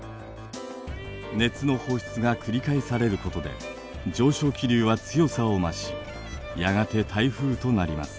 熱の放出が繰り返されることで上昇気流は強さを増しやがて台風となります。